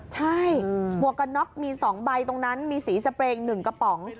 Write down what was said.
ใช่อืมบวกกะน็อกมีสองใบตรงนั้นมีสีสเปรงหนึ่งกระป๋อง